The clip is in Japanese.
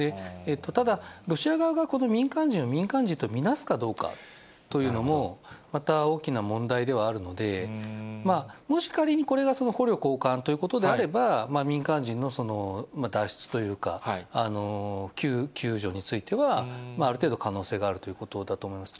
ただ、ロシア側が民間人を民間人と見なすかどうかというのも、また大きな問題ではあるので、もし仮に、これが捕虜交換ということであれば、民間人の脱出というか、救助については、ある程度、可能性があるということだと思います。